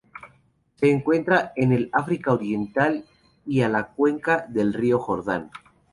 Se encuentra en el África Oriental y a la cuenca del río Jordán.